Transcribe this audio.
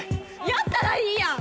やったらいいやん！